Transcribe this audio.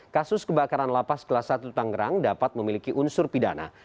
kasus kebakaran lapas kelas satu tangerang dapat memiliki unsur pidana